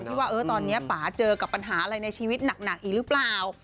ที่ว่าตอนนี้ป่าเจอกับปัญหาอะไรในชีวิตหนักอีกหรือเปล่า